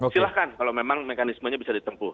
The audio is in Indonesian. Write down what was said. silahkan kalau memang mekanismenya bisa ditempuh